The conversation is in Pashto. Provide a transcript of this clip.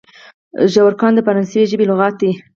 ژورګان د فرانسوي ژبي لغات دئ.